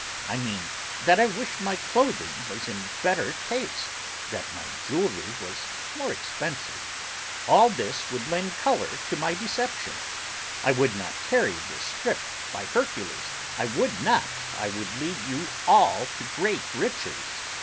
I mean that I wish my clothing was in better taste, that my jewelry was more expensive; all this would lend color to my deception: I would not carry this scrip, by Hercules, I would not I would lead you all to great riches!"